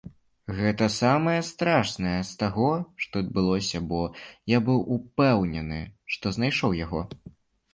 Гэта самае страшнае з таго, што адбылося, бо я быў упэўнены, што знайшоў яго.